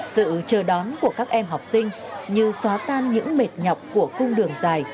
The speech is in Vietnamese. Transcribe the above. sự chờ đón của các em học sinh như xóa tan những mệt nhọc của cung đường dài